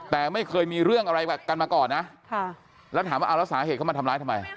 แต่ไม่เคยมีเรื่องอะไรกันมาก่อนนะแล้วถามว่าเอาแล้วสาเหตุเขามาทำร้ายทำไม